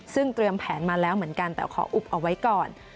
ซึ่งเตรียมแผนมาแล้วเหมือนกันแต่ขออุบเอาไว้ก่อน